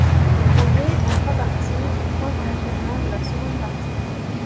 Le projet, en trois parties est proche de l'achèvement de la seconde partie.